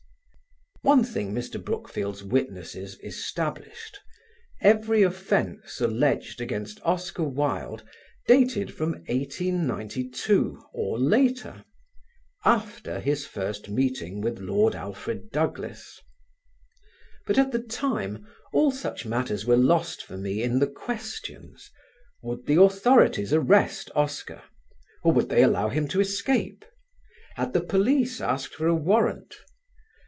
One thing Mr. Brookfield's witnesses established: every offence alleged against Oscar Wilde dated from 1892 or later after his first meeting with Lord Alfred Douglas. But at the time all such matters were lost for me in the questions: would the authorities arrest Oscar? or would they allow him to escape? Had the police asked for a warrant?